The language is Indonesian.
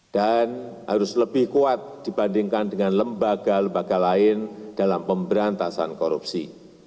dan harus lebih kuat dibandingkan dengan lembaga lembaga lain dalam pemberantasan korupsi